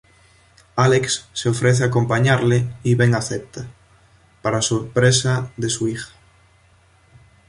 Alex se ofrece a acompañarle y Ben acepta, para sorpresa de su hija.